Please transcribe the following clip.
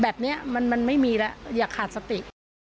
แบบนี้มันไม่มีแล้วอย่าขาดสติ